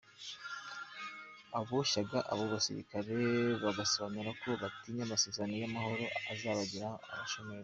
Aboshyaga abo basirikare bagasobanura ko batinya amasezerano y’amahoro azabagira abashomeri.